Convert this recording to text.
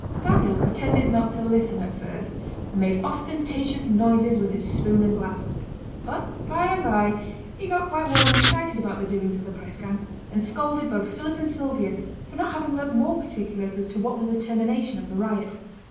Daniel pretended not to listen at first, and made ostentatious noises with his spoon and glass; but by and by he got quite warm and excited about the doings of the press gang, and scolded both Philip and Sylvia for not having learnt more particulars as to what was the termination of the riot.